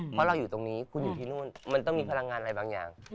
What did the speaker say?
เพราะเราอยู่ตรงนี้คุณอยู่ที่นู่นมันต้องมีพลังงานอะไรบางอย่าง